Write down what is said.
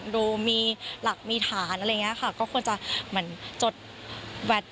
ดูมีหลักมีฐานก็ควรจะเหมือนจดแวด